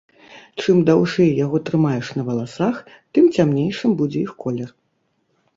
Чым даўжэй яго трымаеш на валасах, тым цямнейшым будзе іх колер.